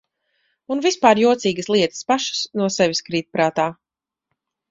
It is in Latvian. Un vispār jocīgas lietas pašas no sevis krīt prātā.